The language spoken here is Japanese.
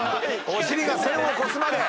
お尻が線を越すまで。